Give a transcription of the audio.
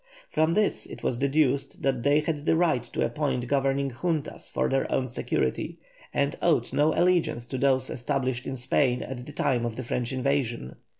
From this it was deduced that they had the right to appoint governing Juntas for their own security, and owed no allegiance to those established in Spain at the time of the French invasion.